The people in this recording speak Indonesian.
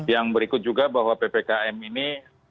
yang berikut juga bahwa ppkm ini